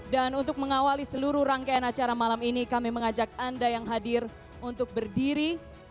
dan untuk mengawali seluruh rangkaian acara malam ini kami mengajak anda yang hadir untuk berdiri